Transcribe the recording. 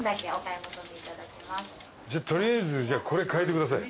じゃあ取りあえずこれかえてください。